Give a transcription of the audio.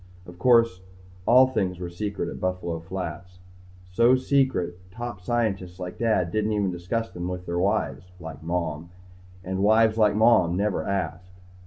Of course, all things were secret at Buffalo Flats. So secret top scientists like Dad didn't even discuss them with wives like Mom. And wives like Mom never asked.